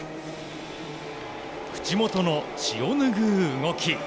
口元の血をぬぐう動き。